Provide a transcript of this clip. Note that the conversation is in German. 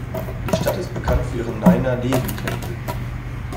Die Stadt ist bekannt für ihren Naina-Devi-Tempel.